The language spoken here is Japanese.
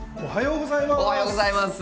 おはようございます。